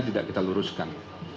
tidak kita luruskan